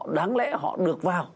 đáng lẽ họ được vào